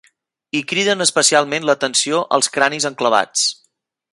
Hi criden especialment l'atenció els cranis enclavats.